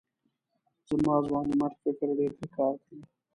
زما ځوانمېرګ فکر ډېر ښه کار کوي.